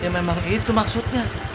ya memang itu maksudnya